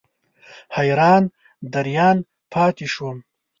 حیران دریان پاتې شوم.